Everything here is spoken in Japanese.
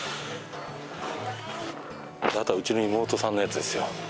あとはうちの妹さんのやつですよ。